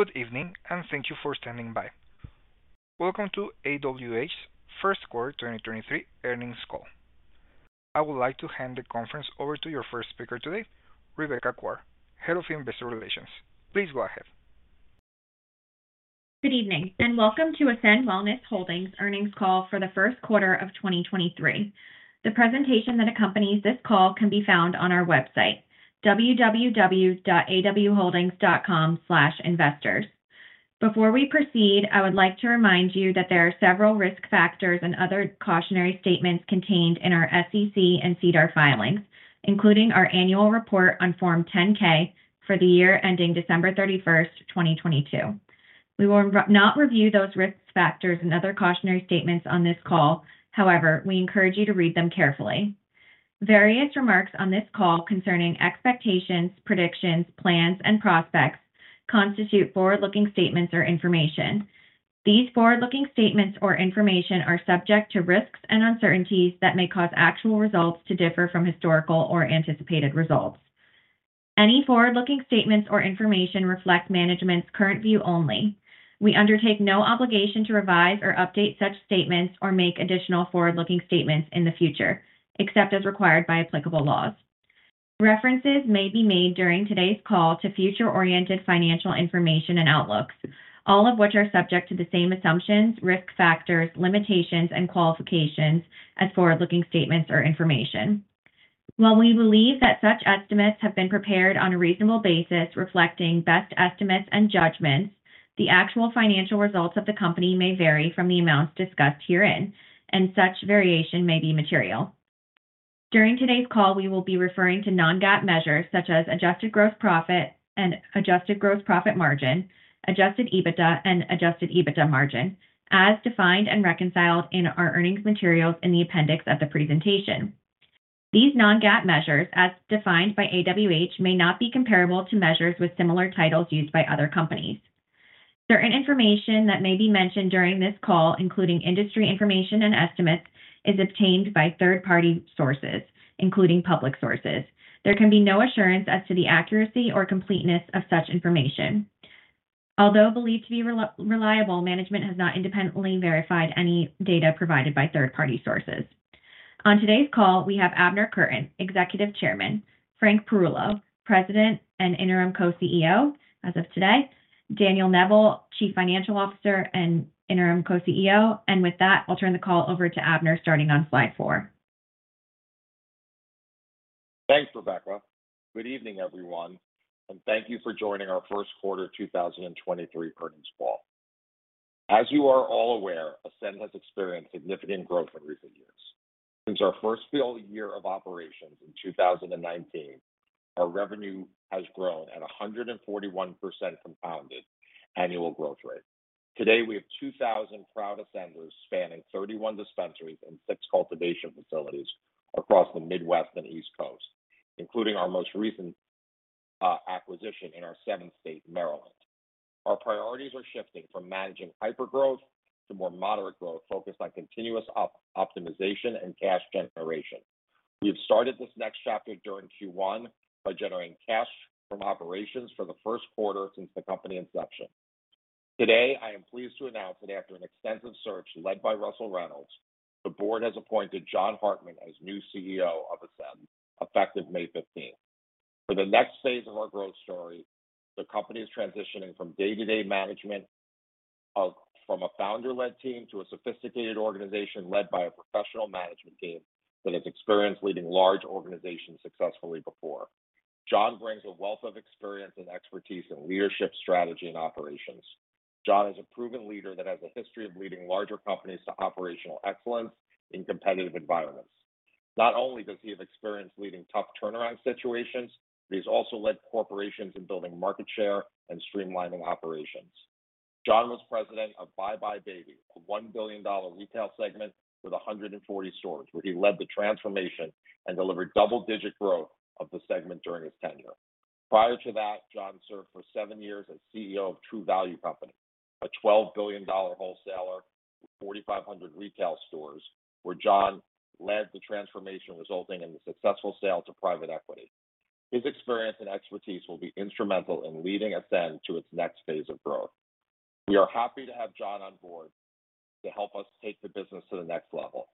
Good evening. Thank you for standing by. Welcome to AWH first quarter 2023 earnings call. I would like to hand the conference over to your first speaker today, Rebecca Koar, Head of Investor Relations. Please go ahead. Good evening, welcome to Ascend Wellness Holdings earnings call for the first quarter of 2023. The presentation that accompanies this call can be found on our website www.awholdings.com/investors. Before we proceed, I would like to remind you that there are several risk factors and other cautionary statements contained in our SEC and SEDAR filings, including our annual report on Form 10-K for the year ending December 31st, 2022. We will not review those risk factors and other cautionary statements on this call. We encourage you to read them carefully. Various remarks on this call concerning expectations, predictions, plans, and prospects constitute forward-looking statements or information. These forward-looking statements or information are subject to risks and uncertainties that may cause actual results to differ from historical or anticipated results. Any forward-looking statements or information reflect management's current view only. We undertake no obligation to revise or update such statements or make additional forward-looking statements in the future, except as required by applicable laws. References may be made during today's call to future-oriented financial information and outlooks, all of which are subject to the same assumptions, risk factors, limitations, and qualifications as forward-looking statements or information. While we believe that such estimates have been prepared on a reasonable basis reflecting best estimates and judgments, the actual financial results of the company may vary from the amounts discussed herein, and such variation may be material. During today's call, we will be referring to non-GAAP measures such as adjusted gross profit and adjusted gross profit margin, adjusted EBITDA and adjusted EBITDA margin, as defined and reconciled in our earnings materials in the appendix of the presentation. These non-GAAP measures, as defined by AWH, may not be comparable to measures with similar titles used by other companies. Certain information that may be mentioned during this call, including industry information and estimates, is obtained by third-party sources, including public sources. There can be no assurance as to the accuracy or completeness of such information. Although believed to be reliable, management has not independently verified any data provided by third-party sources. On today's call, we have Abner Kurtin, Executive Chairman, Frank Perullo, President and Interim Co-CEO as of today, Dan Neville, Chief Financial Officer and Interim Co-CEO. With that, I'll turn the call over to Abner starting on slide four. Thanks, Rebecca Koar. Good evening, everyone, and thank you for joining our 1st quarter 2023 earnings call. As you are all aware, Ascend has experienced significant growth in recent years. Since our 1st full year of operations in 2019, our revenue has grown at a 141% compounded annual growth rate. Today, we have 2,000 proud Ascenders spanning 31 dispensaries and 6 cultivation facilities across the Midwest and East Coast, including our most recent acquisition in our 7th state, Maryland. Our priorities are shifting from managing hypergrowth to more moderate growth focused on continuous optimization and cash generation. We have started this next chapter during Q1 by generating cash from operations for the 1st quarter since the company inception. Today, I am pleased to announce that after an extensive search led by Russell Reynolds, the board has appointed John Hartmann as new CEO of Ascend, effective May 15th. For the next phase of our growth story, the company is transitioning from day-to-day management from a founder-led team to a sophisticated organization led by a professional management team that has experience leading large organizations successfully before. John brings a wealth of experience and expertise in leadership, strategy, and operations. John is a proven leader that has a history of leading larger companies to operational excellence in competitive environments. Not only does he have experience leading tough turnaround situations, but he's also led corporations in building market share and streamlining operations. John was president of buybuy BABY, a $1 billion retail segment with 140 stores, where he led the transformation and delivered double-digit growth of the segment during his tenure. Prior to that, John served for seven years as CEO of True Value Company, a $12 billion wholesaler with 4,500 retail stores, where John led the transformation resulting in the successful sale to private equity. His experience and expertise will be instrumental in leading Ascend to its next phase of growth. We are happy to have John on board to help us take the business to the next level.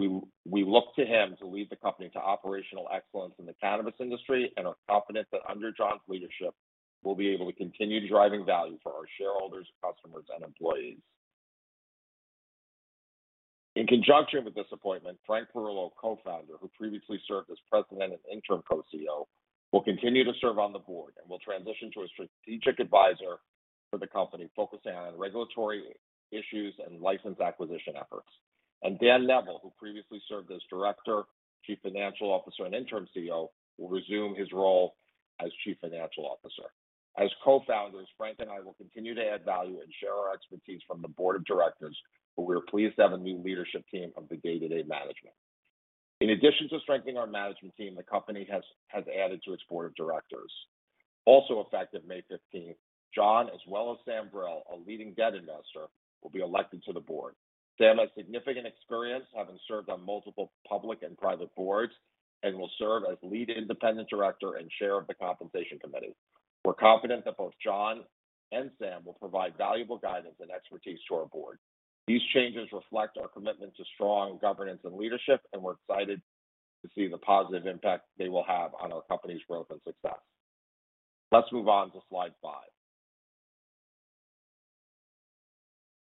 We look to him to lead the company to operational excellence in the cannabis industry and are confident that under John's leadership, we'll be able to continue driving value for our shareholders, customers, and employees. In conjunction with this appointment, Frank Perullo, Co-Founder, who previously served as President and Interim Co-CEO, will continue to serve on the board and will transition to a strategic advisor for the company, focusing on regulatory issues and license acquisition efforts. Dan Neville, who previously served as Director, Chief Financial Officer, and Interim CEO, will resume his role as Chief Financial Officer. As co-founders, Frank and I will continue to add value and share our expertise from the board of directors, but we are pleased to have a new leadership team of the day-to-day management. In addition to strengthening our management team, the company has added to its board of directors. Effective May 15th, John Hartmann, as well as Sam Brill, a leading debt investor will be elected to the board. Sam has significant experience having served on multiple public and private boards, and will serve as Lead Independent Director and Chair of the Compensation Committee. We're confident that both John and Sam will provide valuable guidance and expertise to our board. These changes reflect our commitment to strong governance and leadership, and we're excited to see the positive impact they will have on our company's growth and success. Let's move on to slide five.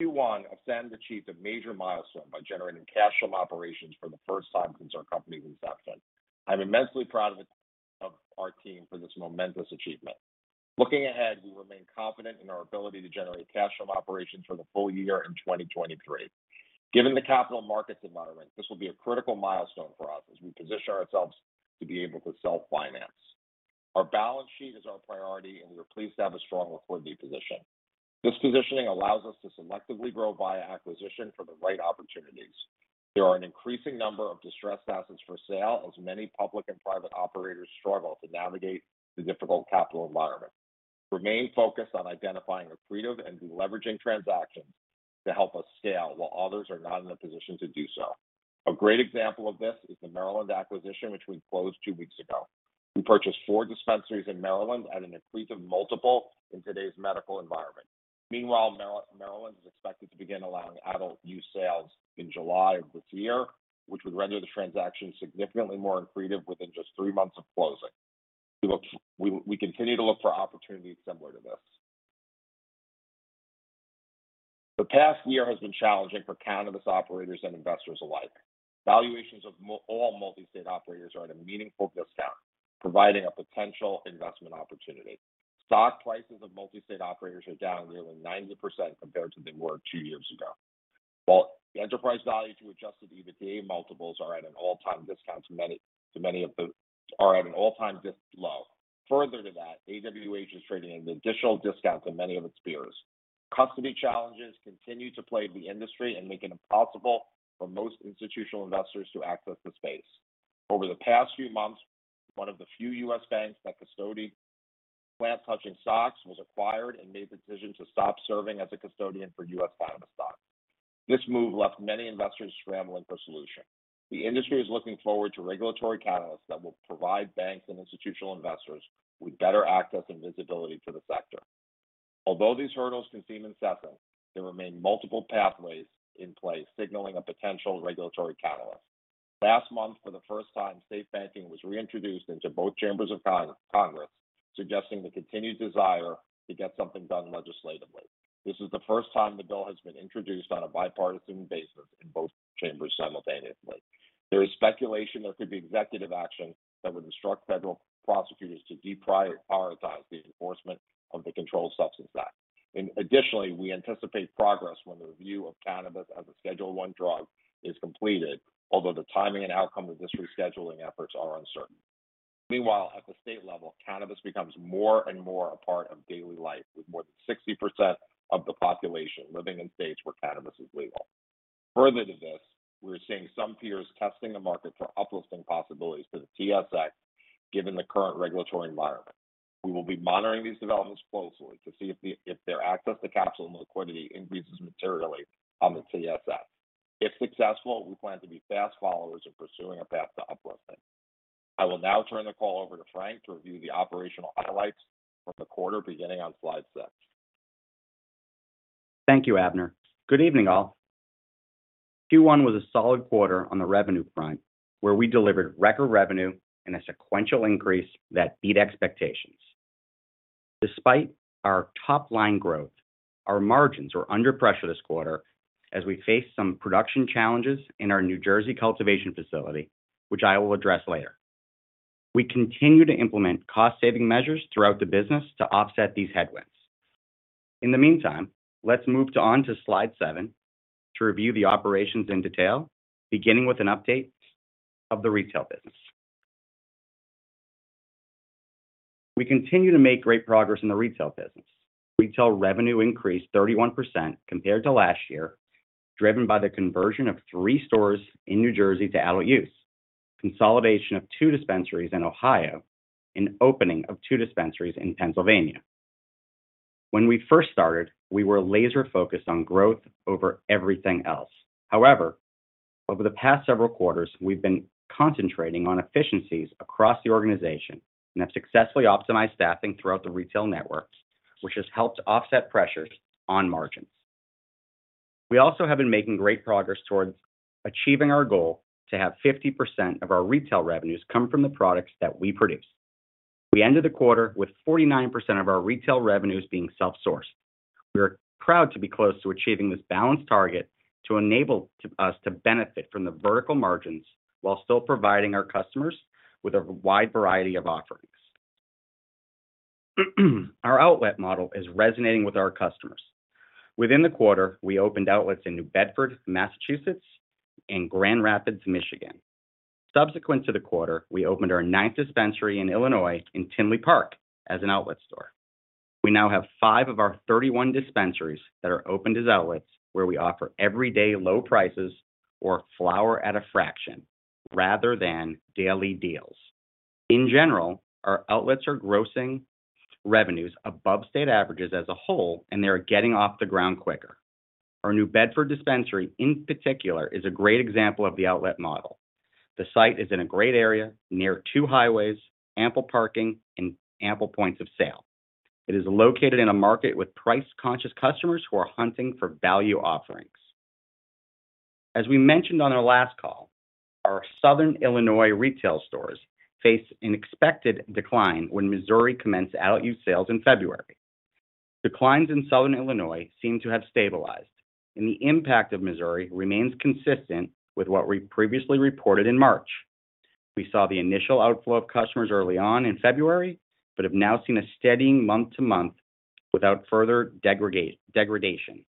Q1 Ascend achieved a major milestone by generating cash from operations for the first time since our company's inception. I'm immensely proud of our team for this momentous achievement. Looking ahead, we remain confident in our ability to generate cash from operations for the full year in 2023. Given the capital markets environment, this will be a critical milestone for us as we position ourselves to be able to self-finance. Our balance sheet is our priority, and we are pleased to have a strong liquidity position. This positioning allows us to selectively grow via acquisition for the right opportunities. There are an increasing number of distressed assets for sale as many public and private operators struggle to navigate the difficult capital environment. Remain focused on identifying accretive and de-leveraging transactions to help us scale while others are not in a position to do so. A great example of this is the Maryland acquisition, which we closed 2 weeks ago. We purchased 4 dispensaries in Maryland at an accretive multiple in today's medical environment. Meanwhile, Maryland is expected to begin allowing adult use sales in July of this year, which would render the transaction significantly more accretive within just 3 months of closing. We continue to look for opportunities similar to this. The past year has been challenging for cannabis operators and investors alike. Valuations of multi-state operators are at a meaningful discount, providing a potential investment opportunity. Stock prices of multi-state operators are down nearly 90% compared to they were 2 years ago. While the enterprise value to adjusted EBITDA multiples are at an all-time low. Further to that, AWH is trading at an additional discount to many of its peers. Custody challenges continue to plague the industry and make it impossible for most institutional investors to access the space. Over the past few months, one of the few U.S. banks that custodied plant-touching stocks was acquired and made the decision to stop serving as a custodian for U.S. cannabis stocks. This move left many investors scrambling for solutions. The industry is looking forward to regulatory catalysts that will provide banks and institutional investors with better access and visibility to the sector. Although these hurdles can seem incessant, there remain multiple pathways in place signaling a potential regulatory catalyst. Last month, for the first time, SAFE Banking was reintroduced into both chambers of Congress, suggesting the continued desire to get something done legislatively. This is the first time the bill has been introduced on a bipartisan basis in both chambers simultaneously. There is speculation there could be executive action that would instruct federal prosecutors to deprioritize the enforcement of the Controlled Substances Act. Additionally, we anticipate progress when the review of cannabis as a Schedule I drug is completed, although the timing and outcome of this rescheduling efforts are uncertain. Meanwhile, at the state level, cannabis becomes more and more a part of daily life, with more than 60% of the population living in states where cannabis is legal. We're seeing some peers testing the market for uplisting possibilities to the TSX, given the current regulatory environment. We will be monitoring these developments closely to see if their access to capital and liquidity increases materially on the TSX. If successful, we plan to be fast followers in pursuing a path to uplisting. I will now turn the call over to Frank to review the operational highlights from the quarter beginning on slide six. Thank you, Abner Kurtin. Good evening, all. Q1 was a solid quarter on the revenue front, where we delivered record revenue and a sequential increase that beat expectations. Despite our top-line growth, our margins were under pressure this quarter as we faced some production challenges in our New Jersey cultivation facility, which I will address later. We continue to implement cost-saving measures throughout the business to offset these headwinds. In the meantime, let's move on to Slide seven to review the operations in detail, beginning with an update of the retail business. We continue to make great progress in the retail business. Retail revenue increased 31% compared to last year, driven by the conversion of 3 stores in New Jersey to adult use, consolidation of 2 dispensaries in Ohio, and opening of 2 dispensaries in Pennsylvania. When we first started, we were laser-focused on growth over everything else. However, over the past several quarters, we've been concentrating on efficiencies across the organization and have successfully optimized staffing throughout the retail network, which has helped offset pressures on margins. We also have been making great progress towards achieving our goal to have 50% of our retail revenues come from the products that we produce. We ended the quarter with 49% of our retail revenues being self-sourced. We are proud to be close to achieving this balanced target to enable us to benefit from the vertical margins while still providing our customers with a wide variety of offerings. Our outlet model is resonating with our customers. Within the quarter, we opened outlets in New Bedford, Massachusetts, and Grand Rapids, Michigan. Subsequent to the quarter, we opened our ninth dispensary in Illinois in Tinley Park as an outlet store. We now have five of our 31 dispensaries that are opened as outlets, where we offer everyday low prices or flower at a fraction rather than daily deals. In general, our outlets are grossing revenues above state averages as a whole, and they are getting off the ground quicker. Our New Bedford dispensary, in particular, is a great example of the outlet model. The site is in a great area, near two highways, ample parking and ample points of sale. It is located in a market with price-conscious customers who are hunting for value offerings. As we mentioned on our last call, our southern Illinois retail stores face an expected decline when Missouri commenced adult use sales in February. Declines in southern Illinois seem to have stabilized. The impact of Missouri remains consistent with what we previously reported in March. We saw the initial outflow of customers early on in February, have now seen a steady month-to-month without further degradation.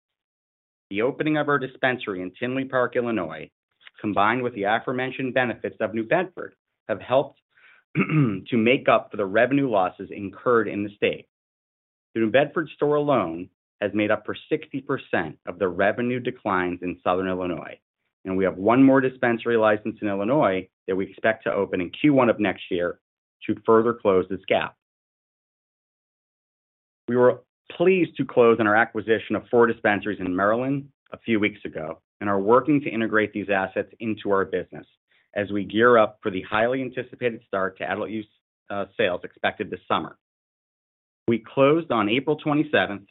The opening of our dispensary in Tinley Park, Illinois, combined with the aforementioned benefits of New Bedford, have helped to make up for the revenue losses incurred in the state. The New Bedford store alone has made up for 60% of the revenue declines in southern Illinois. We have one more dispensary license in Illinois that we expect to open in Q1 of next year to further close this gap. We were pleased to close on our acquisition of four dispensaries in Maryland a few weeks ago and are working to integrate these assets into our business as we gear up for the highly anticipated start to adult use sales expected this summer. We closed on April 27th,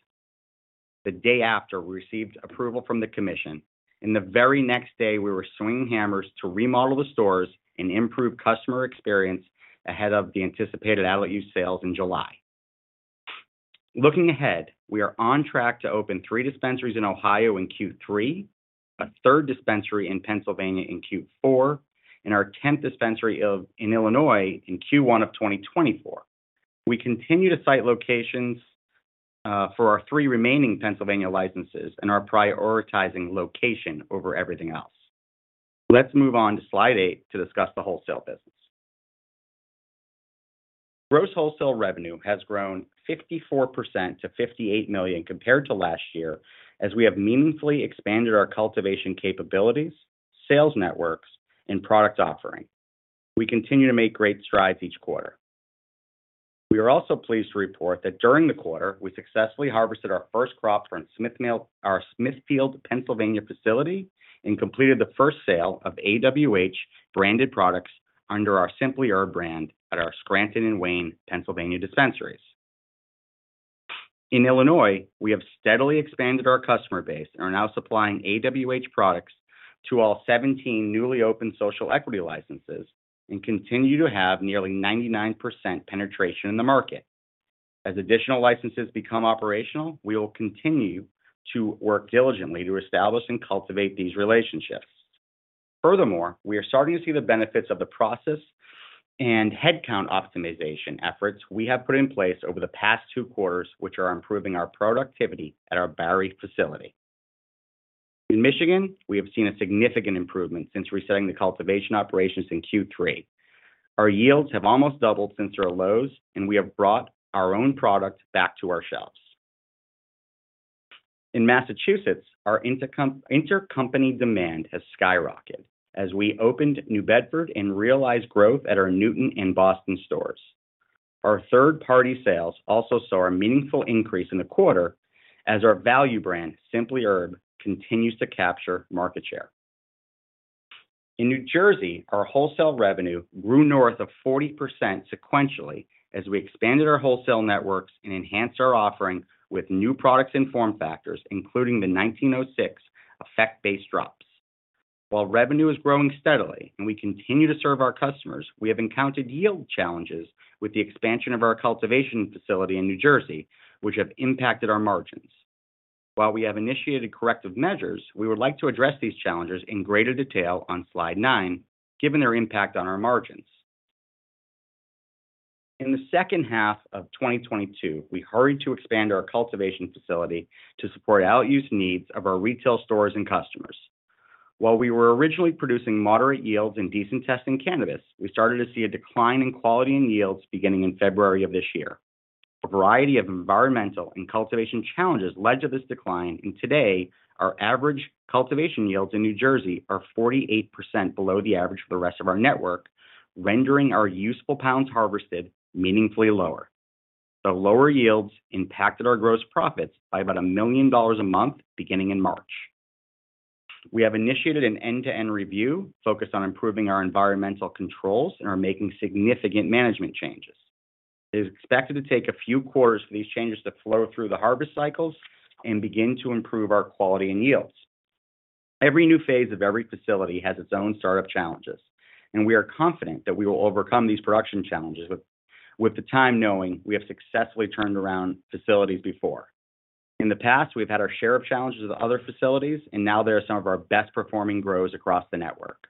the day after we received approval from the commission, and the very next day we were swinging hammers to remodel the stores and improve customer experience ahead of the anticipated adult use sales in July. Looking ahead, we are on track to open three dispensaries in Ohio in Q3, a third dispensary in Pennsylvania in Q4, and our 10th dispensary in Illinois in Q1 of 2024. We continue to site locations for our three remaining Pennsylvania licenses and are prioritizing location over everything else. Let's move on to slide eight to discuss the wholesale business. Gross wholesale revenue has grown 54% to $58 million compared to last year as we have meaningfully expanded our cultivation capabilities, sales networks and product offering. We continue to make great strides each quarter. We are also pleased to report that during the quarter, we successfully harvested our first crop from our Smithfield, Pennsylvania facility and completed the first sale of AWH-branded products under our Simply Herb brand at our Scranton and Wayne, Pennsylvania dispensaries. In Illinois, we have steadily expanded our customer base and are now supplying AWH products to all 17 newly opened social equity licenses and continue to have nearly 99% penetration in the market. As additional licenses become operational, we will continue to work diligently to establish and cultivate these relationships. Furthermore, we are starting to see the benefits of the process and headcount optimization efforts we have put in place over the past two quarters, which are improving our productivity at our Barry facility. In Michigan, we have seen a significant improvement since resetting the cultivation operations in Q3. Our yields have almost doubled since their lows, and we have brought our own product back to our shelves. In Massachusetts, our intercompany demand has skyrocketed as we opened New Bedford and realized growth at our Newton and Boston stores. Our third-party sales also saw a meaningful increase in the quarter as our value brand, Simply Herb, continues to capture market share. In New Jersey, our wholesale revenue grew north of 40% sequentially as we expanded our wholesale networks and enhanced our offering with new products and form factors, including the 1906 effect-based drops. While revenue is growing steadily and we continue to serve our customers, we have encountered yield challenges with the expansion of our cultivation facility in New Jersey, which have impacted our margins. While we have initiated corrective measures, we would like to address these challenges in greater detail on slide nine, given their impact on our margins. In the second half of 2022, we hurried to expand our cultivation facility to support adults use needs of our retail stores and customers. While we were originally producing moderate yields and decent testing cannabis, we started to see a decline in quality and yields beginning in February of this year. A variety of environmental and cultivation challenges led to this decline, and today our average cultivation yields in New Jersey are 48% below the average for the rest of our network, rendering our useful pounds harvested meaningfully lower. The lower yields impacted our gross profits by about $1 million a month beginning in March. We have initiated an end-to-end review focused on improving our environmental controls and are making significant management changes. It is expected to take a few quarters for these changes to flow through the harvest cycles and begin to improve our quality and yields. Every new phase of every facility has its own startup challenges, and we are confident that we will overcome these production challenges with the time knowing we have successfully turned around facilities before. In the past, we've had our share of challenges with other facilities, and now they are some of our best performing grows across the network.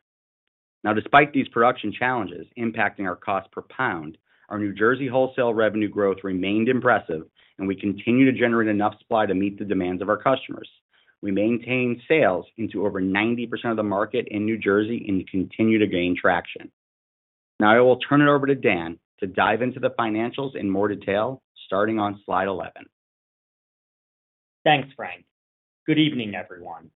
Now, despite these production challenges impacting our cost per pound, our New Jersey wholesale revenue growth remained impressive, and we continue to generate enough supply to meet the demands of our customers. We maintain sales into over 90% of the market in New Jersey and continue to gain traction. Now I will turn it over to Dan to dive into the financials in more detail, starting on slide 11. Thanks, Frank. Good evening, everyone.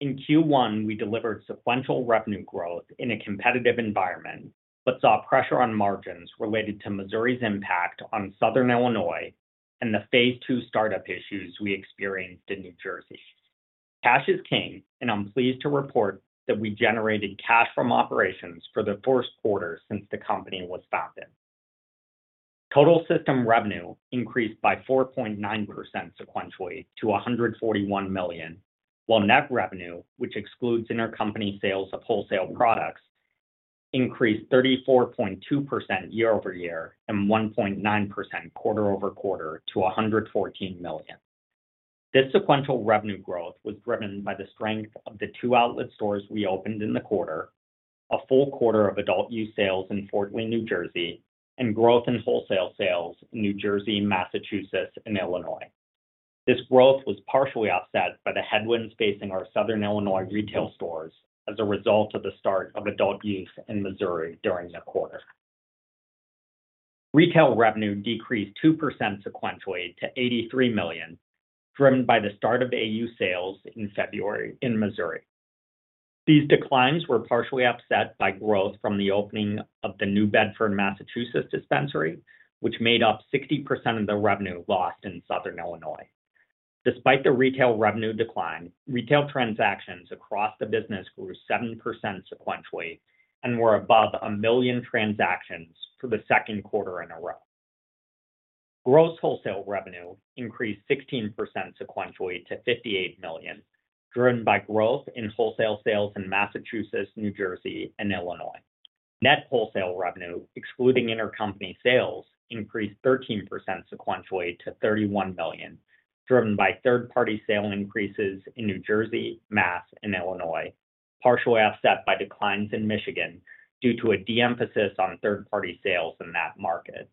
In Q1, we delivered sequential revenue growth in a competitive environment, but saw pressure on margins related to Missouri's impact on Southern Illinois and the phase 2 startup issues we experienced in New Jersey. Cash is king, and I'm pleased to report that we generated cash from operations for the first quarter since the company was founded. Total system revenue increased by 4.9% sequentially to $141 million, while net revenue, which excludes intercompany sales of wholesale products, increased 34.2% year-over-year and 1.9% quarter-over-quarter to $114 million. This sequential revenue growth was driven by the strength of the two outlet stores we opened in the quarter, a full quarter of adult use sales in Fort Lee, New Jersey, and growth in wholesale sales in New Jersey, Massachusetts, and Illinois. This growth was partially offset by the headwinds facing our Southern Illinois retail stores as a result of the start of adult use in Missouri during the quarter. Retail revenue decreased 2% sequentially to $83 million, driven by the start of AU sales in February in Missouri. These declines were partially offset by growth from the opening of the New Bedford, Massachusetts dispensary, which made up 60% of the revenue lost in Southern Illinois. Despite the retail revenue decline, retail transactions across the business grew 7% sequentially and were above 1 million transactions for the second quarter in a row. Gross wholesale revenue increased 16% sequentially to $58 million, driven by growth in wholesale sales in Massachusetts, New Jersey, and Illinois. Net wholesale revenue, excluding intercompany sales, increased 13% sequentially to $31 million, driven by third-party sale increases in New Jersey, Mass, and Illinois, partially offset by declines in Michigan due to a de-emphasis on third-party sales in that market.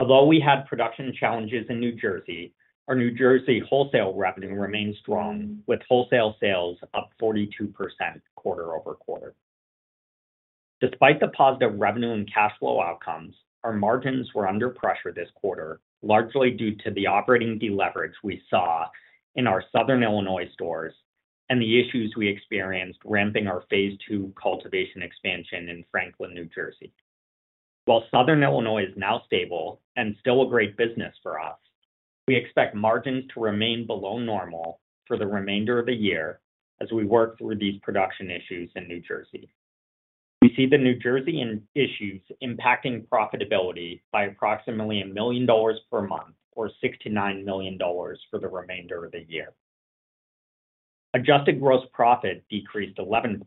We had production challenges in New Jersey, our New Jersey wholesale revenue remained strong, with wholesale sales up 42% quarter-over-quarter. Despite the positive revenue and cash flow outcomes, our margins were under pressure this quarter, largely due to the operating deleverage we saw in our Southern Illinois stores and the issues we experienced ramping our phase 2 cultivation expansion in Franklin, New Jersey. Southern Illinois is now stable and still a great business for us, we expect margins to remain below normal for the remainder of the year as we work through these production issues in New Jersey. We see the New Jersey issues impacting profitability by approximately $1 million per month or $6 million-$9 million for the remainder of the year. Adjusted gross profit decreased 11%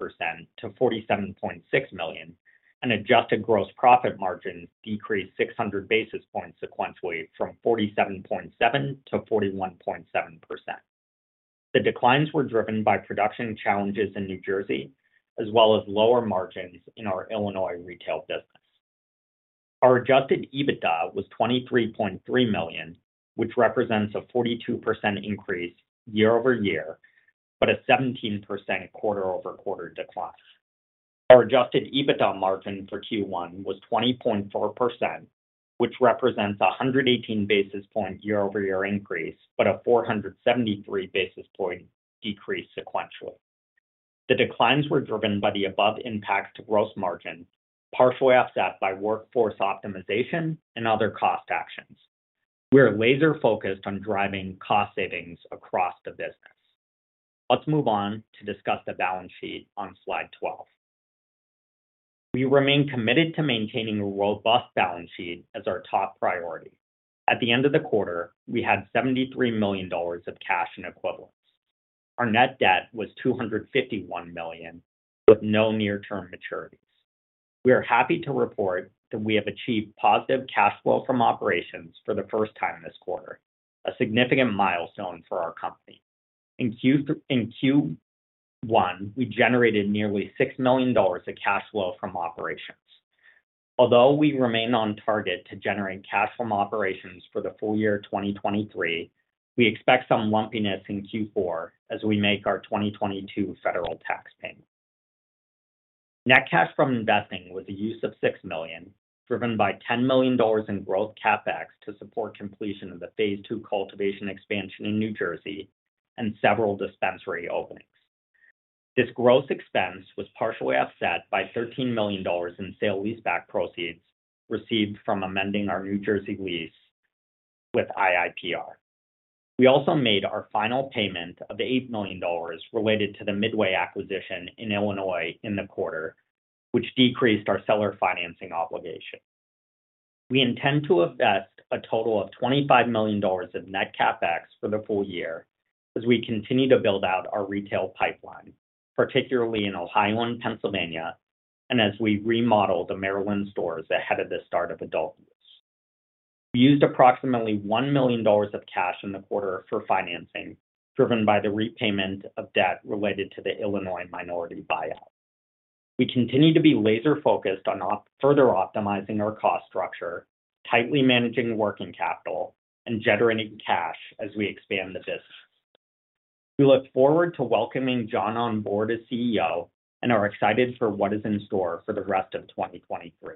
to $47.6 million, and adjusted gross profit margins decreased 600 basis points sequentially from 47.7% to 41.7%. The declines were driven by production challenges in New Jersey, as well as lower margins in our Illinois retail business. Our adjusted EBITDA was $23.3 million, which represents a 42% increase year-over-year, but a 17% quarter-over-quarter decline. Our adjusted EBITDA margin for Q1 was 20.4%, which represents a 118 basis point year-over-year increase, but a 473 basis point decrease sequentially. The declines were driven by the above impact to gross margin, partially offset by workforce optimization and other cost actions. We are laser-focused on driving cost savings across the business. Let's move on to discuss the balance sheet on slide 12. We remain committed to maintaining a robust balance sheet as our top priority. At the end of the quarter, we had $73 million of cash and equivalents. Our net debt was $251 million with no near-term maturities. We are happy to report that we have achieved positive cash flow from operations for the first time this quarter, a significant milestone for our company. In Q1, we generated nearly $6 million of cash flow from operations. Although we remain on target to generate cash from operations for the full year 2023, we expect some lumpiness in Q4 as we make our 2022 federal tax payment. Net cash from investing was a use of $6 million, driven by $10 million in growth CapEx to support completion of the phase two cultivation expansion in New Jersey and several dispensary openings. This gross expense was partially offset by $13 million in sale leaseback proceeds received from amending our New Jersey lease with IIPR. We also made our final payment of the $8 million related to the Midway acquisition in Illinois in the quarter, which decreased our seller financing obligation. We intend to invest a total of $25 million of net CapEx for the full year as we continue to build out our retail pipeline, particularly in Ohio and Pennsylvania, and as we remodel the Maryland stores ahead of the start of adult use. We used approximately $1 million of cash in the quarter for financing, driven by the repayment of debt related to the Illinois minority buyout. We continue to be laser-focused on further optimizing our cost structure, tightly managing working capital, and generating cash as we expand the business. We look forward to welcoming John on board as CEO and are excited for what is in store for the rest of 2023.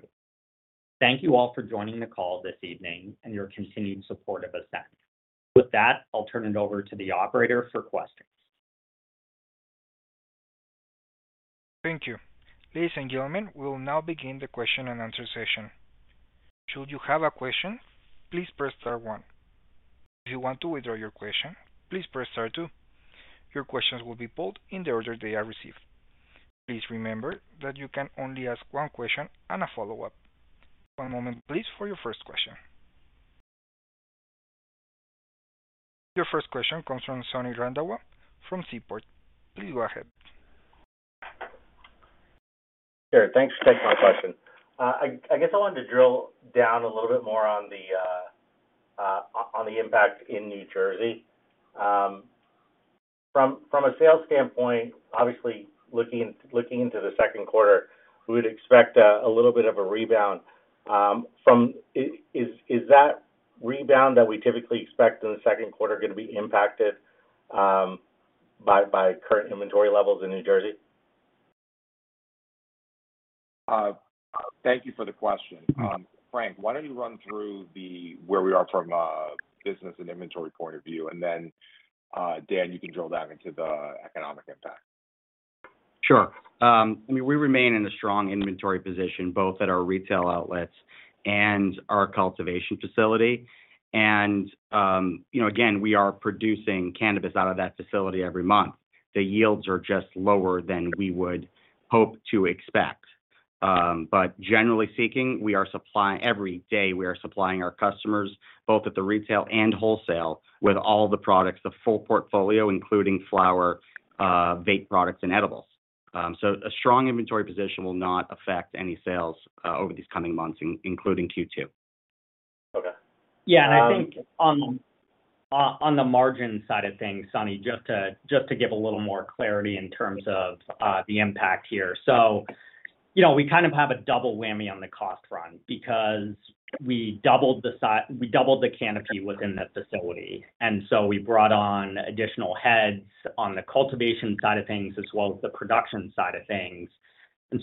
Thank you all for joining the call this evening and your continued support of Ascend. I'll turn it over to the operator for questions. Thank you. Ladies and gentlemen, we will now begin the question and answer session. Should you have a question, please press star one. If you want to withdraw your question, please press star two. Your questions will be pulled in the order they are received. Please remember that you can only ask one question and a follow-up. One moment please, for your first question. Your first question comes from Sonny Randhawa from Seaport. Please go ahead. Sure. Thanks for taking my question. I guess I wanted to drill down a little bit more on the impact in New Jersey. From a sales standpoint, obviously looking into the second quarter, we would expect a little bit of a rebound. Is that rebound that we typically expect in the second quarter gonna be impacted by current inventory levels in New Jersey? Thank you for the question. Mm-hmm. Frank, why don't you run through the where we are from a business and inventory point of view, and then, Dan, you can drill down into the economic impact. Sure. I mean, we remain in a strong inventory position, both at our retail outlets and our cultivation facility. You know, again, we are producing cannabis out of that facility every month. The yields are just lower than we would hope to expect. Generally speaking, every day, we are supplying our customers, both at the retail and wholesale, with all the products, the full portfolio, including flower, vape products, and edibles. A strong inventory position will not affect any sales over these coming months, including Q2. Okay. I think on the margin side of things, Sonny, just to give a little more clarity in terms of the impact here. You know, we kind of have a double whammy on the cost front because we doubled the canopy within that facility. We brought on additional heads on the cultivation side of things as well as the production side of things.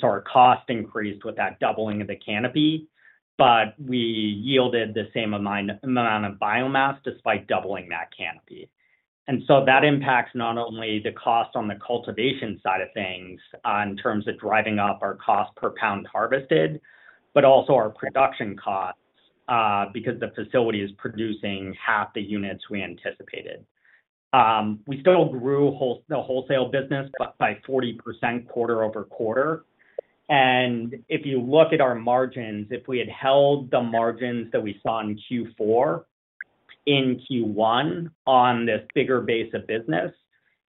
Our cost increased with that doubling of the canopy, but we yielded the same amount of biomass despite doubling that canopy. That impacts not only the cost on the cultivation side of things in terms of driving up our cost per pound harvested, but also our production costs because the facility is producing half the units we anticipated. We still grew the wholesale business by 40% quarter-over-quarter. If you look at our margins, if we had held the margins that we saw in Q4 in Q1 on this bigger base of business,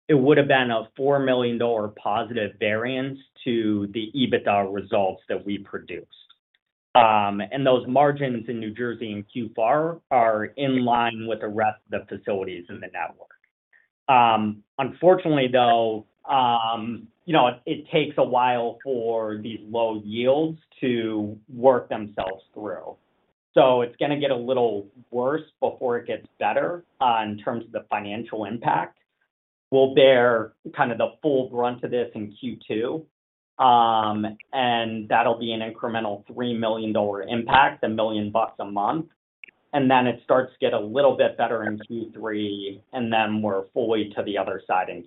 it would have been a $4 million positive variance to the EBITDA results that we produced. Those margins in New Jersey in Q4 are in line with the rest of the facilities in the network. Unfortunately, though, you know, it takes a while for these low yields to work themselves through. It's gonna get a little worse before it gets better in terms of the financial impact. We'll bear kind of the full brunt of this in Q2, that'll be an incremental $3 million impact, $1 million a month. It starts to get a little bit better in Q3, and then we're fully to the other side in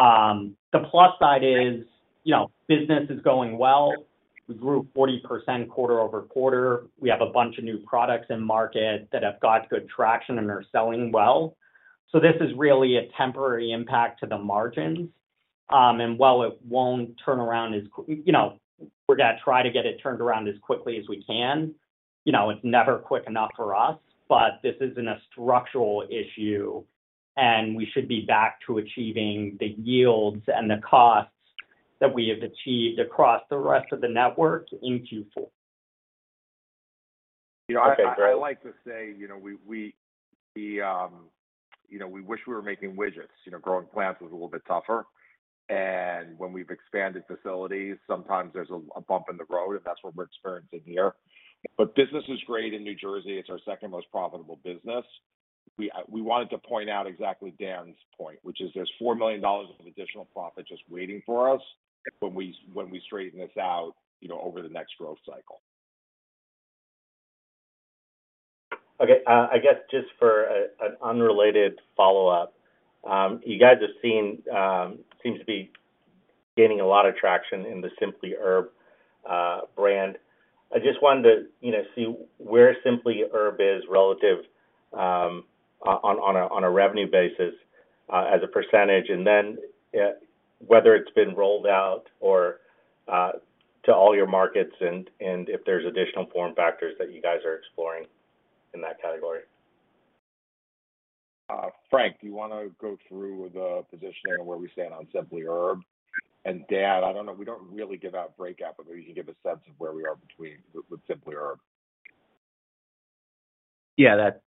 Q4. The plus side is, you know, business is going well. We grew 40% quarter-over-quarter. We have a bunch of new products in market that have got good traction and are selling well. This is really a temporary impact to the margins. While it won't turn around as you know, we're gonna try to get it turned around as quickly as we can, you know, it's never quick enough for us, but this isn't a structural issue, and we should be back to achieving the yields and the costs that we have achieved across the rest of the network in Q4. Okay, great. You know, I like to say, you know, we, you know, we wish we were making widgets. You know, growing plants was a little bit tougher. When we've expanded facilities, sometimes there's a bump in the road, and that's what we're experiencing here. Business is great in New Jersey. It's our second most profitable business. We wanted to point out exactly Dan's point, which is there's $4 million of additional profit just waiting for us when we straighten this out, you know, over the next growth cycle. Okay. I guess just for an unrelated follow-up, you guys have seen, seem to be gaining a lot of traction in the Simply Herb brand. I just wanted to, you know, see where Simply Herb is relative on a revenue basis as a percentage, and then whether it's been rolled out to all your markets and if there's additional form factors that you guys are exploring in that category? Frank, do you wanna go through the positioning of where we stand on Simply Herb? Dan, I don't know, we don't really give out breakout, but maybe you can give a sense of where we are between with Simply Herb.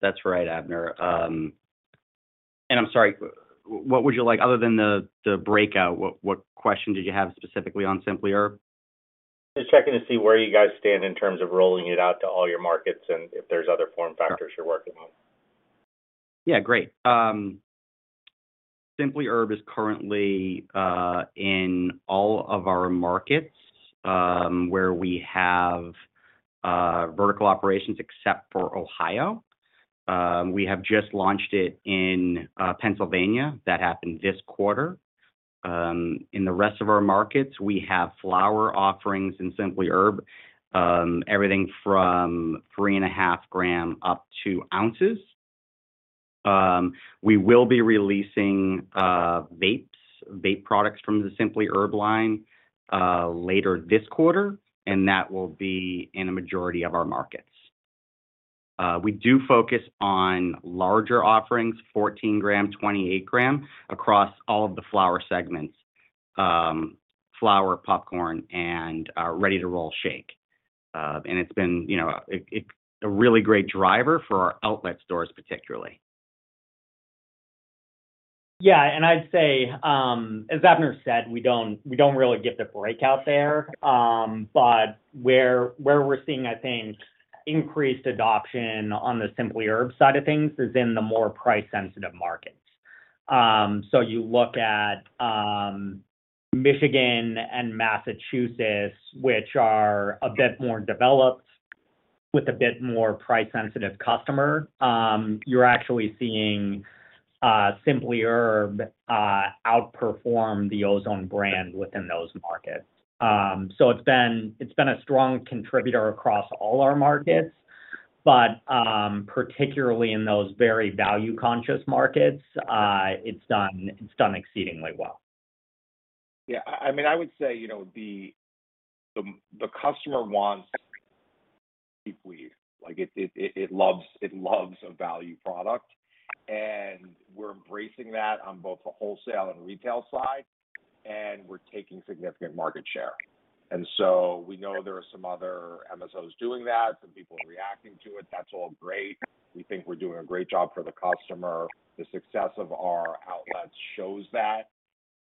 That's right, Abner. I'm sorry, what would you like other than the breakout? What question did you have specifically on Simply Herb? Just checking to see where you guys stand in terms of rolling it out to all your markets and if there's other form factors you're working on? Yeah, great. Simply Herb is currently in all of our markets where we have vertical operations except for Ohio. We have just launched it in Pennsylvania. That happened this quarter. In the rest of our markets, we have flower offerings in Simply Herb, everything from 3.5 gram up to ounces. We will be releasing vapes, vape products from the Simply Herb line later this quarter, and that will be in a majority of our markets. We do focus on larger offerings, 14 gram, 28 gram, across all of the flower segments, flower, popcorn, and ready-to-roll shake. It's been, you know, a really great driver for our outlet stores, particularly. Yeah, I'd say, as Abner said, we don't really give the breakout there. Where we're seeing, I think, increased adoption on the Simply Herb side of things is in the more price-sensitive markets. You look at Michigan and Massachusetts, which are a bit more developed with a bit more price-sensitive customer, you're actually seeing Simply Herb outperform the Ozone brand within those markets. It's been a strong contributor across all our markets, but particularly in those very value-conscious markets, it's done exceedingly well. Yeah. I mean, I would say, you know, the customer wants cheap weed. Like it loves a value product, we're embracing that on both the wholesale and retail side, we're taking significant market share. We know there are some other MSOs doing that, some people are reacting to it. That's all great. We think we're doing a great job for the customer. The success of our outlets shows that,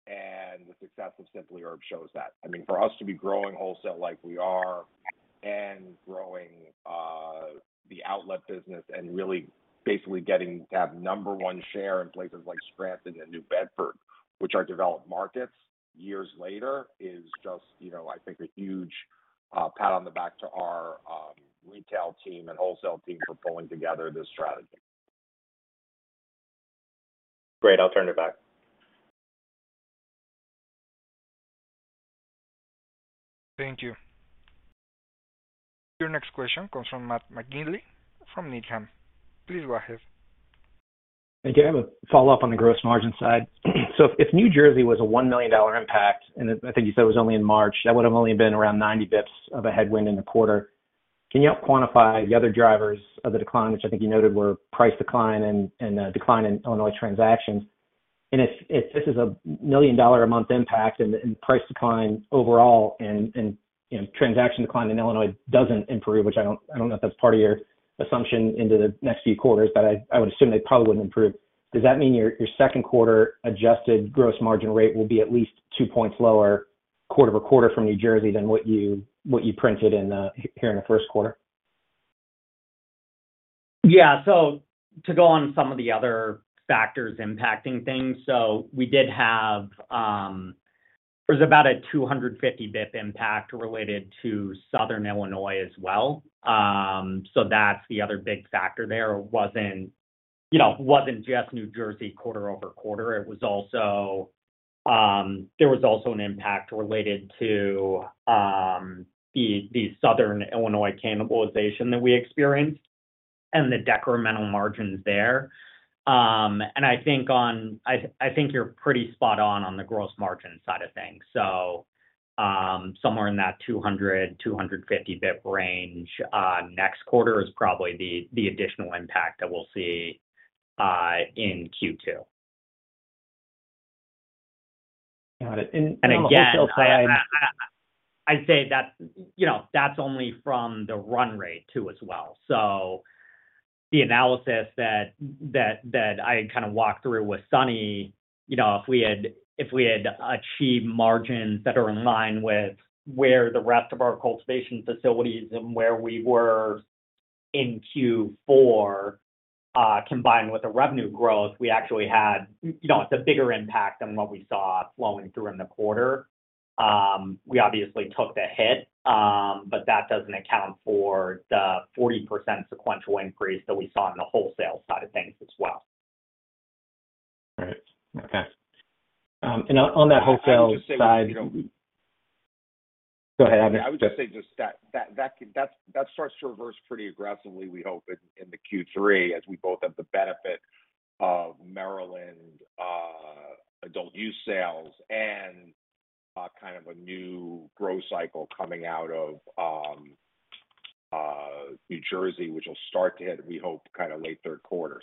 the success of Simply Herb shows that. I mean, for us to be growing wholesale like we are and growing the outlet business and really basically getting to have number 1 share in places like Scranton and New Bedford, which are developed markets years later, is just, you know, I think a huge pat on the back to our retail team and wholesale team for pulling together this strategy. Great. I'll turn it back. Thank you. Your next question comes from Matt McGinley from Needham. Please go ahead. Hey, do you have a follow-up on the gross margin side? If New Jersey was a $1 million impact, and I think you said it was only in March, that would've only been around 90 basis points of a headwind in the quarter. Can you help quantify the other drivers of the decline, which I think you noted were price decline and decline in Illinois transactions? If this is a $1 million a month impact and price decline overall and, you know, transaction decline in Illinois doesn't improve, which I don't know if that's part of your assumption into the next few quarters, but I would assume they probably wouldn't improve. Does that mean your second quarter adjusted gross margin rate will be at least two points lower quarter-over-quarter from New Jersey than what you printed here in the first quarter? Yeah. To go on some of the other factors impacting things. We did have, there was about a 250 basis points impact related to Southern Illinois as well. That's the other big factor there. It wasn't, you know, it wasn't just New Jersey quarter-over-quarter. It was also, there was also an impact related to the Southern Illinois cannibalization that we experienced and the decremental margins there. I think, I think you're pretty spot on the gross margin side of things. Somewhere in that 200-250 basis points range next quarter is probably the additional impact that we'll see in Q2. Got it. on the wholesale side. Again, I'd say that, you know, that's only from the run rate too as well. The analysis that I kind of walked through with Sonny, you know, if we had achieved margins that are in line with where the rest of our cultivation facilities and where we were in Q4, combined with the revenue growth, we actually had, you know, it's a bigger impact than what we saw flowing through in the quarter. We obviously took the hit, that doesn't account for the 40% sequential increase that we saw on the wholesale side of things as well. All right. Okay. on that wholesale side- I would just say, you know. Go ahead, Abner. Yeah, I would just say that starts to reverse pretty aggressively, we hope in the Q3 as we both have the benefit of Maryland adult use sales and kind of a new growth cycle coming out of New Jersey, which will start to hit, we hope, kind of late third quarter.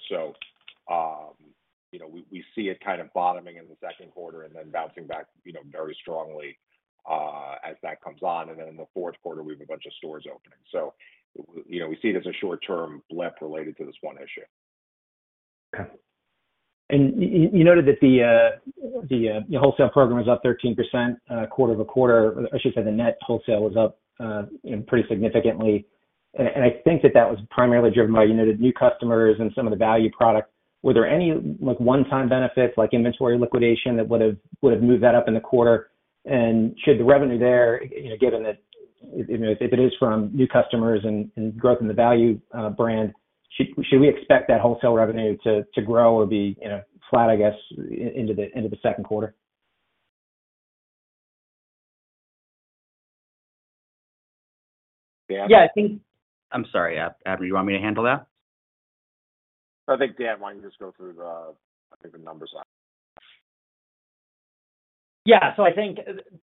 you know, we see it kind of bottoming in the second quarter and then bouncing back, you know, very strongly as that comes on. In the fourth quarter, we have a bunch of stores opening. you know, we see it as a short-term blip related to this one issue. Okay. You noted that the wholesale program was up 13% quarter-over-quarter. I should say the net wholesale was up, you know, pretty significantly. I think that that was primarily driven by, you know, the new customers and some of the value product. Were there any, like, one-time benefits like inventory liquidation that would have moved that up in the quarter? Should the revenue there, you know, given that, you know, if it is from new customers and growth in the value brand, should we expect that wholesale revenue to grow or be, you know, flat, I guess, into the second quarter? I'm sorry, Abner, do you want me to handle that? I think, Dan, why don't you just go through the, I think the numbers side. Yeah. I think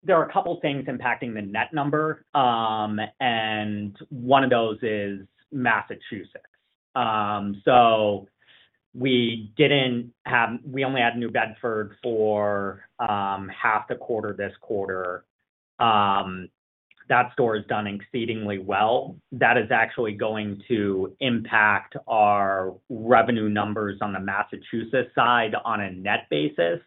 there are a couple things impacting the net number, and one of those is Massachusetts. We only had New Bedford for half the quarter this quarter. That store has done exceedingly well. That is actually going to impact our revenue numbers on the Massachusetts side on a net basis.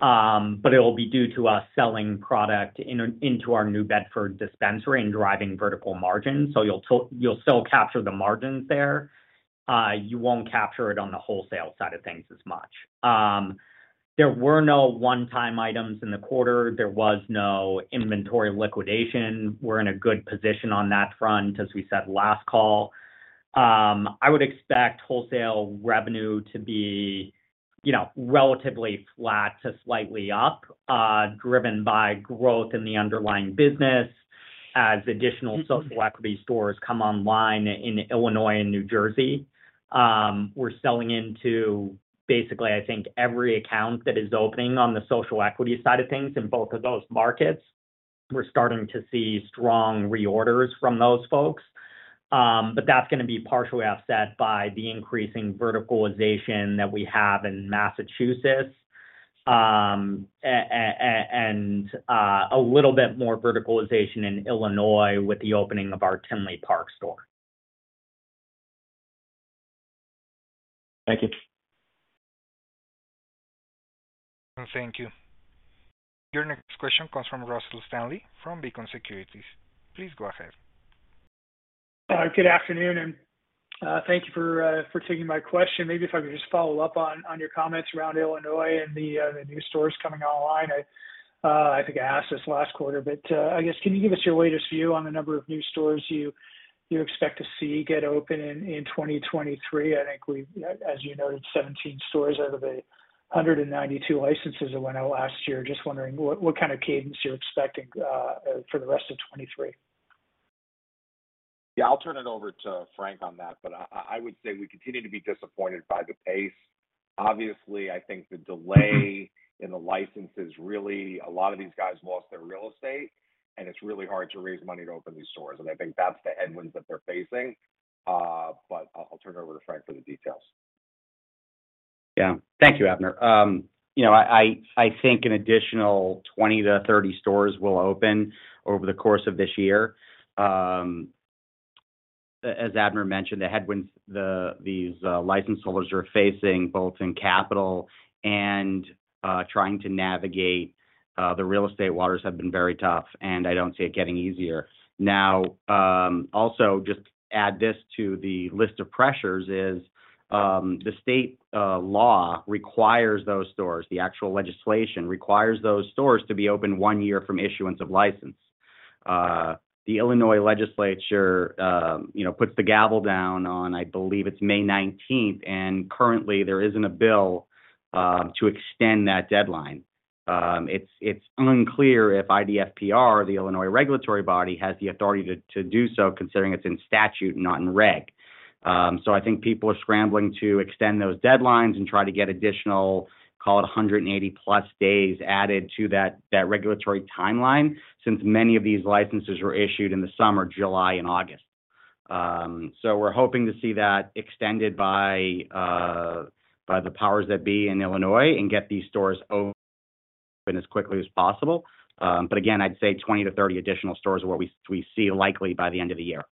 It'll be due to us selling product into our New Bedford dispensary and driving vertical margins. You'll still capture the margins there. You won't capture it on the wholesale side of things as much. There were no one-time items in the quarter. There was no inventory liquidation. We're in a good position on that front, as we said last call. I would expect wholesale revenue to be, you know, relatively flat to slightly up, driven by growth in the underlying business as additional social equity stores come online in Illinois and New Jersey. We're selling into basically, I think, every account that is opening on the social equity side of things in both of those markets. We're starting to see strong reorders from those folks. That's gonna be partially offset by the increasing verticalization that we have in Massachusetts, and a little bit more verticalization in Illinois with the opening of our Tinley Park store. Thank you. Thank you. Your next question comes from Russell Stanley from Beacon Securities. Please go ahead. Good afternoon, thank you for taking my question. Maybe if I could just follow up on your comments around Illinois and the new stores coming online. I think I asked this last quarter, I guess can you give us your latest view on the number of new stores you expect to see get open in 2023? I think we've, as you noted, 17 stores out of 192 licenses that went out last year. Just wondering what kind of cadence you're expecting for the rest of 2023? Yeah, I'll turn it over to Frank on that, but I would say we continue to be disappointed by the pace. Obviously, I think the delay in the licenses really, a lot of these guys lost their real estate, and it's really hard to raise money to open these stores, and I think that's the headwinds that they're facing. I'll turn it over to Frank for the details. Thank you, Abner. You know, I think an additional 20-30 stores will open over the course of this year. As Abner mentioned, the headwinds these license holders are facing, both in capital and trying to navigate the real estate waters have been very tough, and I don't see it getting easier. Also, just add this to the list of pressures is the state law requires those stores, the actual legislation requires those stores to be open 1 year from issuance of license. The Illinois legislature, you know, puts the gavel down on, I believe it's May 19th, and currently there isn't a bill to extend that deadline. It's unclear if IDFPR, the Illinois regulatory body, has the authority to do so, considering it's in statute, not in reg. I think people are scrambling to extend those deadlines and try to get additional, call it 180+ days added to that regulatory timeline since many of these licenses were issued in the summer, July and August. We're hoping to see that extended by the powers that be in Illinois and get these stores open as quickly as possible. Again, I'd say 20-30 additional stores are what we see likely by the end of the year.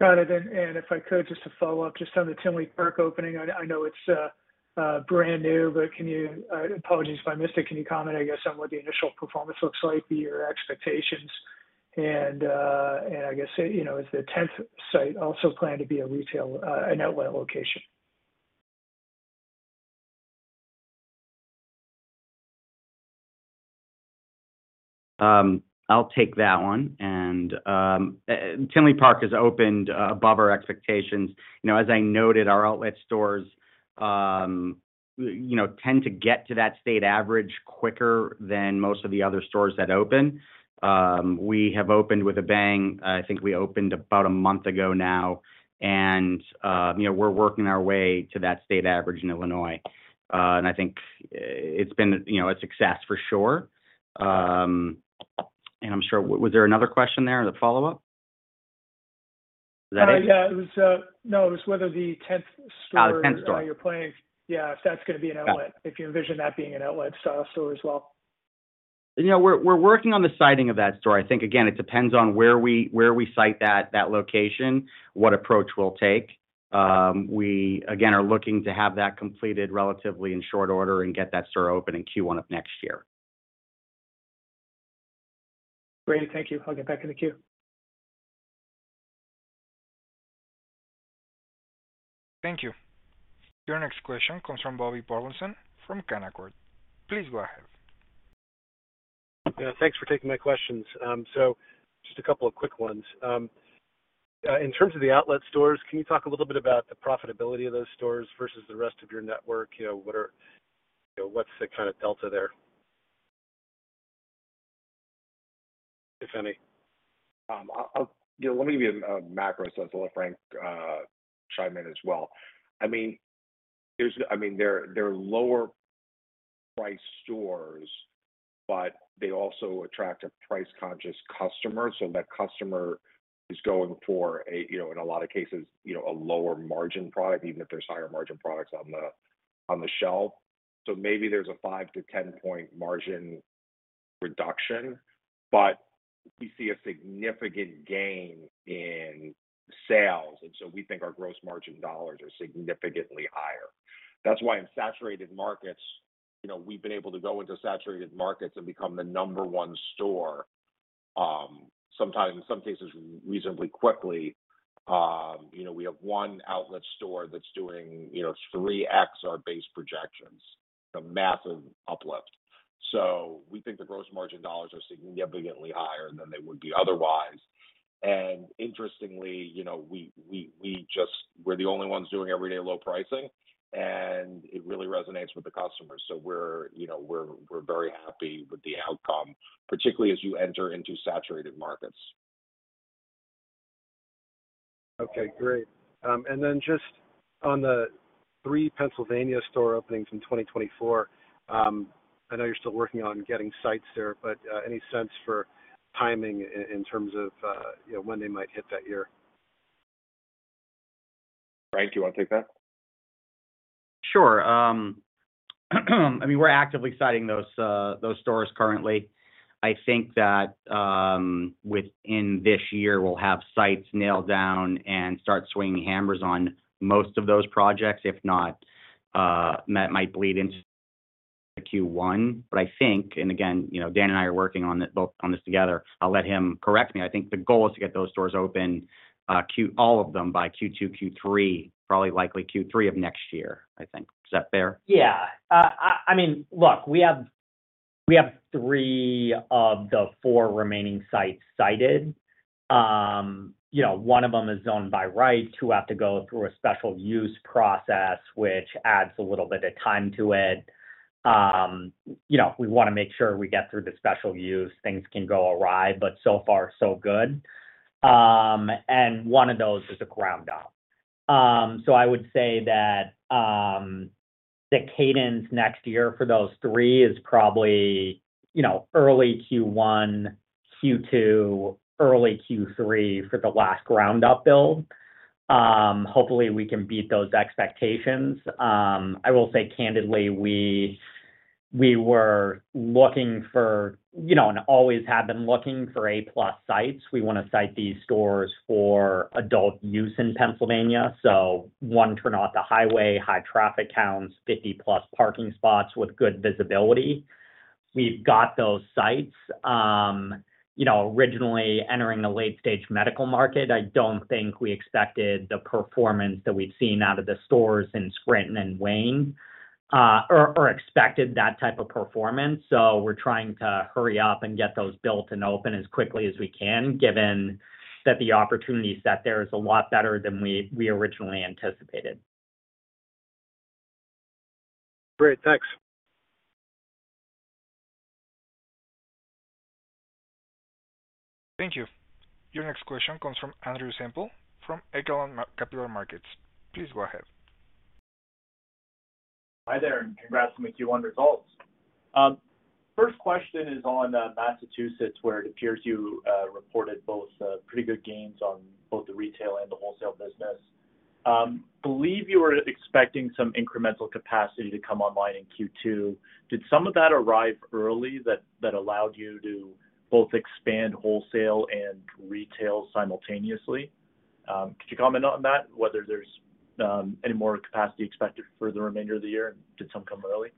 Got it. If I could, just to follow up just on the Tinley Park opening. I know it's brand new, but can you, apologies if I missed it, can you comment, I guess, on what the initial performance looks like, your expectations? I guess, you know, is the tenth site also planned to be a retail, an outlet location? I'll take that one. Tinley Park has opened above our expectations. You know, as I noted, our outlet stores, you know, tend to get to that state average quicker than most of the other stores that open. We have opened with a bang. I think we opened about a month ago now, and, you know, we're working our way to that state average in Illinois. I think it's been, you know, a success for sure. I'm sure... Was there another question there, the follow-up? Is that it? Yeah. It was. No, it was whether the 10th store. Oh, the 10th store. you're planning. Yeah, if that's gonna be an outlet. Yeah. If you envision that being an outlet store as well. You know, we're working on the siting of that store. I think, again, it depends on where we, where we site that location, what approach we'll take. We again are looking to have that completed relatively in short order and get that store open in Q1 of next year. Great. Thank you. I'll get back in the queue. Thank you. Your next question comes from Bobby Burleson from Canaccord Genuity. Please go ahead. Yeah, thanks for taking my questions. Just a couple of quick ones. In terms of the outlet stores, can you talk a little bit about the profitability of those stores versus the rest of your network? You know, what's the kind of delta there? If any. You know, let me give you a macro sense. I'll let Frank chime in as well. I mean, they're lower price stores, but they also attract a price-conscious customer. That customer is going for a, you know, in a lot of cases, you know, a lower margin product, even if there's higher margin products on the, on the shelf. Maybe there's a 5 to 10-point margin reduction, but we see a significant gain in sales. We think our gross margin dollars are significantly higher. That's why in saturated markets, you know, we've been able to go into saturated markets and become the number one store, sometimes in some cases reasonably quickly. You know, we have one outlet store that's doing, you know, 3x our base projections, a massive uplift. We think the gross margin dollars are significantly higher than they would be otherwise. Interestingly, you know, we just we're the only ones doing everyday low pricing, and it really resonates with the customers. We're, you know, we're very happy with the outcome, particularly as you enter into saturated markets. Great. Then just on the 3 Pennsylvania store openings in 2024, I know you're still working on getting sites there, but any sense for timing in terms of, you know, when they might hit that year? Frank, do you wanna take that? Sure. I mean, we're actively siting those stores currently. I think that, within this year we'll have sites nailed down and start swinging hammers on most of those projects, if not, that might bleed into Q1. I think, and again, you know, Dan Neville and I are working both on this together. I'll let him correct me. I think the goal is to get those stores open, all of them by Q2, Q3, probably likely Q3 of next year, I think. Is that fair? Yeah. I mean, look, we have 3 of the 4 remaining sites sited. You know, one of them is owned by Rights, who have to go through a special use process, which adds a little bit of time to it. You know, we wanna make sure we get through the special use. Things can go awry, but so far so good. One of those is a ground up. I would say that the cadence next year for those 3 is probably, you know, early Q1, Q2, early Q3 for the last ground up build. Hopefully we can beat those expectations. I will say candidly, we were looking for, you know, and always have been looking for A-plus sites. We wanna site these stores for adult use in Pennsylvania. 1 turn off the highway, high traffic counts, 50-plus parking spots with good visibility. We've got those sites. You know, originally entering the late stage medical market, I don't think we expected the performance that we've seen out of the stores in Scranton and Wayne, or expected that type of performance. We're trying to hurry up and get those built and open as quickly as we can, given that the opportunity set there is a lot better than we originally anticipated. Great. Thanks. Thank you. Your next question comes from Andrew Semple from Echelon Capital Markets. Please go ahead. Hi there, congrats on the Q1 results. First question is on Massachusetts, where it appears you reported both pretty good gains on both the retail and the wholesale business. Believe you were expecting some incremental capacity to come online in Q2. Did some of that arrive early that allowed you to both expand wholesale and retail simultaneously? Could you comment on that, whether there's any more capacity expected for the remainder of the year? Did some come early?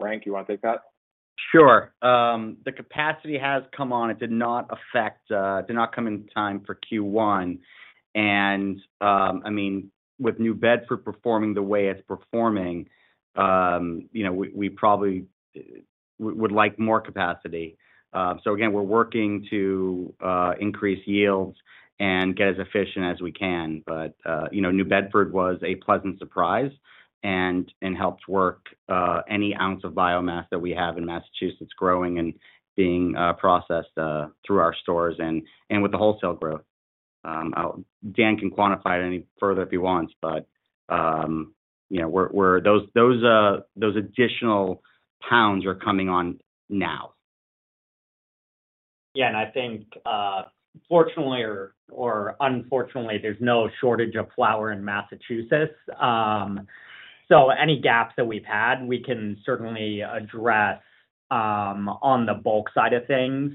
Frank, you wanna take that? Sure. The capacity has come on. It did not come in time for Q1. I mean, with New Bedford performing the way it's performing, you know, we probably would like more capacity. Again, we're working to increase yields and get as efficient as we can. You know, New Bedford was a pleasant surprise and helped work any ounce of biomass that we have in Massachusetts growing and being processed through our stores and with the wholesale growth. Dan can quantify it any further if he wants. You know, we're those additional pounds are coming on now. I think, fortunately or unfortunately, there's no shortage of flower in Massachusetts. Any gaps that we've had, we can certainly address on the bulk side of things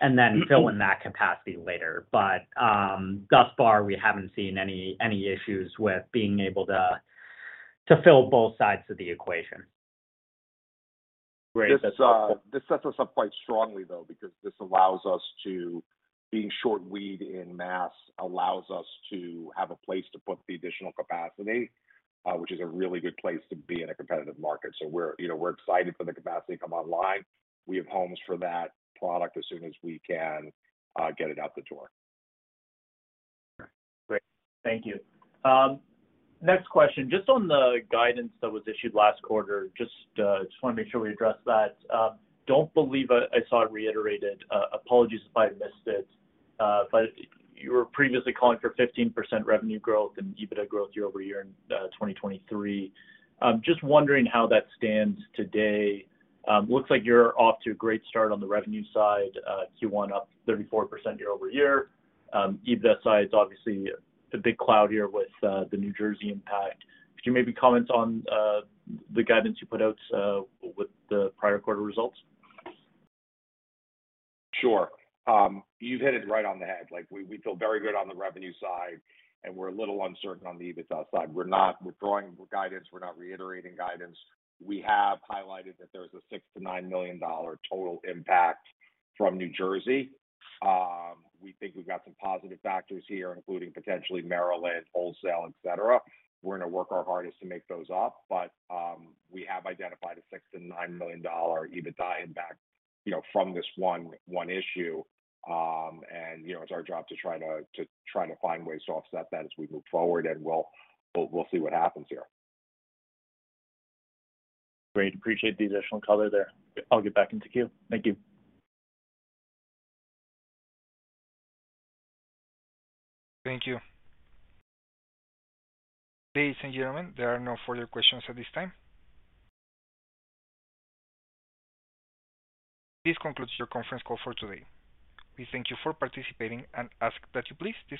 and then fill in that capacity later. Thus far, we haven't seen any issues with being able to fill both sides of the equation. Great. This sets us up quite strongly though, because this allows us to being short weed in Mass. allows us to have a place to put the additional capacity, which is a really good place to be in a competitive market. We're, you know, we're excited for the capacity to come online. We have homes for that product as soon as we can get it out the door. Great. Thank you. Next question. Just on the guidance that was issued last quarter, just want to make sure we address that. Don't believe I saw it reiterated, apologies if I missed it. You were previously calling for 15% revenue growth and EBITDA growth year-over-year in 2023. Just wondering how that stands today. Looks like you're off to a great start on the revenue side, Q1 up 34% year-over-year. EBITDA side's obviously the big cloud here with the New Jersey impact. Could you maybe comment on the guidance you put out with the prior quarter results? Sure. You've hit it right on the head. Like we feel very good on the revenue side, and we're a little uncertain on the EBITDA side. We're not withdrawing guidance. We're not reiterating guidance. We have highlighted that there's a $6 million-$9 million total impact from New Jersey. We think we've got some positive factors here, including potentially Maryland, wholesale, et cetera. We're gonna work our hardest to make those up, but we have identified a $6 million-$9 million EBITDA impact, you know, from this one issue. You know, it's our job to try to find ways to offset that as we move forward, and we'll see what happens here. Great. Appreciate the additional color there. I'll get back into queue. Thank you. Thank you. Ladies and gentlemen, there are no further questions at this time. This concludes your conference call for today. We thank you for participating and ask that you please disconnect.